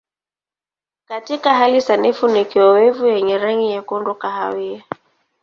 Katika hali sanifu ni kiowevu yenye rangi nyekundu kahawia.